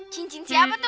cincin siapa tuh